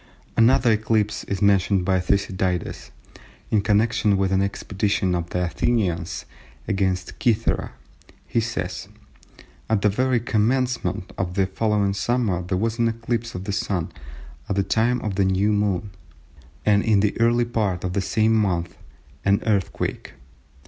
'" Another eclipse is mentioned by Thucydides in connection with an expedition of the Athenians against Cythera. He says:—"At the very commencement of the following summer there was an eclipse of the Sun at the time of a new moon, and in the early part of the same month an earthquake."